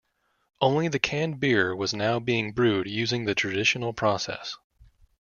Only the canned beer was now being brewed using the traditional process.